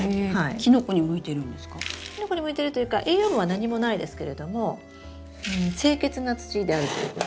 キノコに向いてるというか栄養分は何もないですけれども清潔な土であるということ。